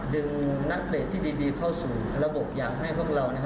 ดึงนักเตรียมที่ดีเข้าสู่ระบบอย่างให้พวกเรา